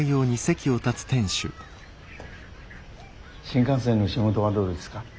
新幹線の仕事はどうですか？